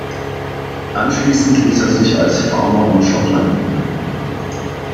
Anschließend ließ er sich als Farmer in Schottland nieder.